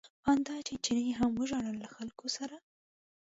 ان دا چې چیني هم وژړل له خلکو سره.